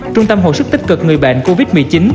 trung tâm hồi sức tích cực người bệnh covid một mươi chín